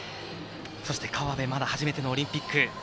そして河辺愛菜は初めてのオリンピック。